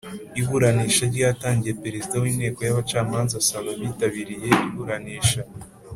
Iburanisha ryatangiye perezida w’Inteko y’abacamanza asaba abitabiriye iburanisha